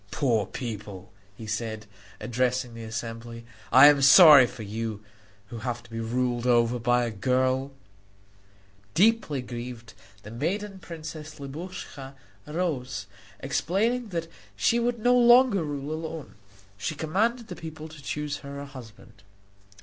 "Poor people," he said, addressing the assembly, "I am sorry for you who have to be ruled over by a girl." [Illustration: LIBUSCHA INSULTED BY CHRUDIS] Deeply grieved, the maiden princess Libuscha rose, explaining that she would no longer rule alone. She commanded the people to choose her a husband.